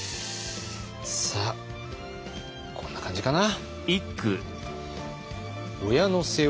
さあこんな感じかな？